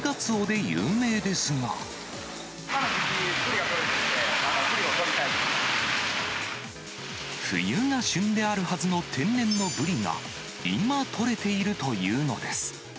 今の時期、ブリが取れるので、冬が旬であるはずの天然のブリが、今取れているというのです。